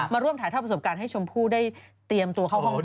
ร่วมถ่ายทอดประสบการณ์ให้ชมพู่ได้เตรียมตัวเข้าห้องน้ำ